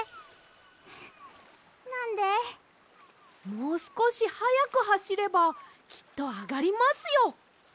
もうすこしはやくはしればきっとあがりますよ。